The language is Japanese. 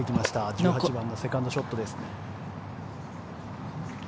１８番のセカンドショットです。